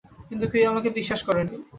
কিন্তু কেউই আমাকে বিশ্বাস করে নি।